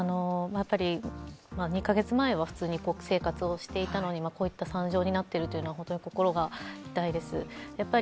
２カ月前は普通に生活をしていたのにこういった惨状になってるというのは心が痛いです。